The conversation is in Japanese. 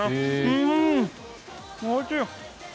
うーん、おいしい！